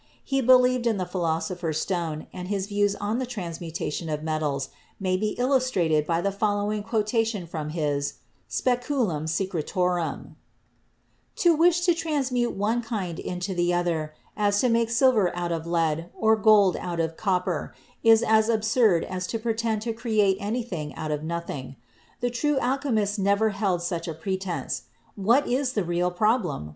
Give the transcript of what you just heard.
He believed in the Philosopher's Stone and his views on the transmutation of metals may be illustrated by the following quotation from his "Speculum Secretorum": "To wish to transform one kind into the other, as to make silver out of lead, or gold out of copper, is as absurd as to pretend to create anything out of nothing. The true alchemists never held such a pretence. What is the real problem?